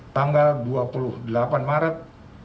tanggal dua puluh delapan maret dua ribu dua puluh dua